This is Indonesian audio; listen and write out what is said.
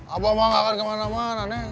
abah mah gak akan kemana mana neng